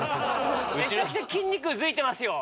めちゃくちゃ筋肉うずいてますよ。